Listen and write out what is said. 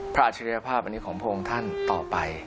พระอัจฉริยภาพของพวกองท่านต่อไป